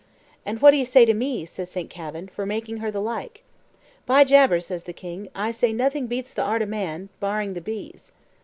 "And what do you say to me," says 'Saint Kavin, "for making her the like?" "By Jabers," says the king, "I say nothing beats the art o' man, barring the bees."